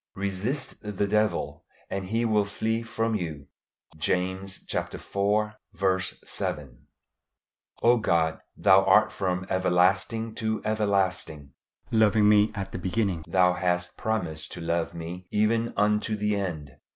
"Resist the devil, and he will flee from you." James iv. 7. O God, Thou art from everlasting to everlasting. Loving me at the beginning, Thou hast promised to love me even unto the end.